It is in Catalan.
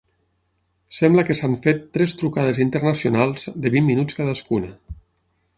Sembla que s'han fet tres trucades internacionals de vint minuts cadascuna.